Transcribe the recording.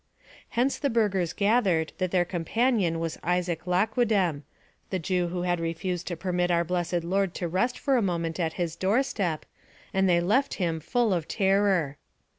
Hence the burgers gathered that their companion was Isaac Laquedem, the Jew who had refused to permit our Blessed Lord to rest for a moment at his door step, and they left him full of terror.